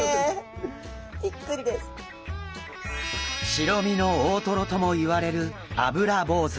白身の大トロともいわれるアブラボウズ。